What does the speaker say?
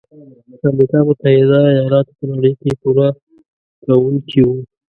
امریکا متحد ایلاتو په نړۍ کې پوره کوونکي وو.